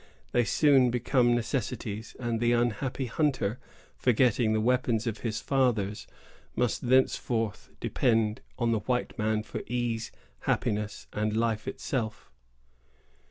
They soon become necessities, and the unhappy hunter, forgetting the weapons of his fathers, must thenceforth depend on the white man for ease, happiness, and life itself.